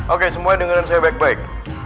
oke semua dengerin saya baik baik